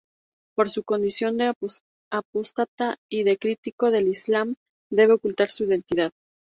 Por su condición de apóstata y de crítico del Islam, debe ocultar su identidad.